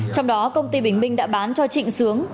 trong đó công ty bình minh đã bán cho trịnh sướng